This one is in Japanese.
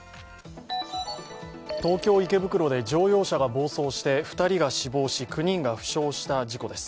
東京・池袋で乗用車が暴走して２人が死亡し９人が負傷した事故です。